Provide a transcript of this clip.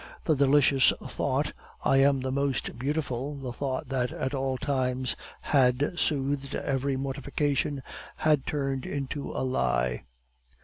The delicious thought, "I am the most beautiful," the thought that at all times had soothed every mortification, had turned into a lie.